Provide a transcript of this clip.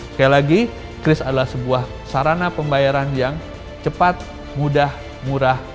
sekali lagi kris adalah sebuah sarana pembayaran yang cepat mudah murah